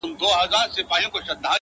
راسه د زړه د سکون غيږي ته مي ځان وسپاره’